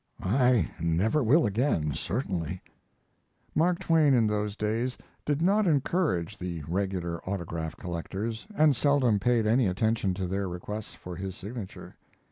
I never will again, certainly. Mark Twain in those days did not encourage the regular autograph collectors, and seldom paid any attention to their requests for his signature.